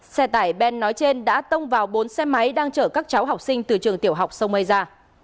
xe tải ben nói trên đã tông vào bốn xe máy đang chở các cháu học sinh từ trường tiểu học sông mây ra